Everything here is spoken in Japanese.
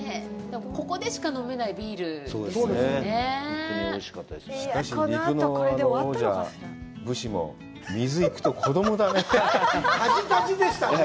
ここでしか飲めないビールですもんね。